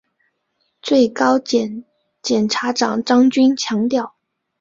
最高检检察长张军强调